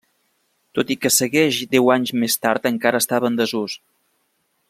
Tot i que segueix deu anys més tard encara estava en desús.